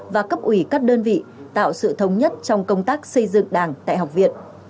và cấp ủy các đơn vị tạo sự thống nhất trong công tác xây dựng đảng tại học viện